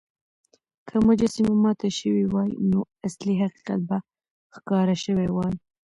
که مجسمه ماته شوې وای، نو اصلي حقيقت به ښکاره شوی وای.